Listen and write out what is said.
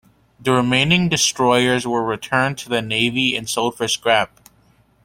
The remaining destroyers were returned to the Navy and sold for scrap.